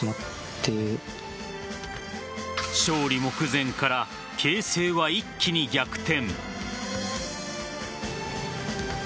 勝利目前から形勢は一気に逆転。